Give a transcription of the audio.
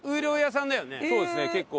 そうですね結構。